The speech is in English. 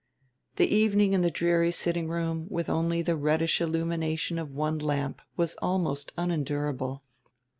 The evening in the dreary sitting room with only the reddish illumination of one lamp was almost unendurable.